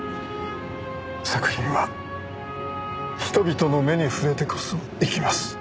作品は人々の目に触れてこそ生きます。